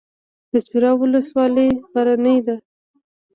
د چوره ولسوالۍ غرنۍ ده